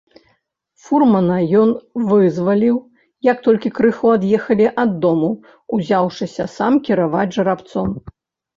Фурмана ён вызваліў, як толькі крыху ад'ехалі ад дому, узяўшыся сам кіраваць жарабцом.